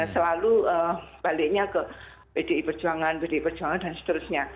selalu baliknya ke pdi perjuangan pdi perjuangan dan seterusnya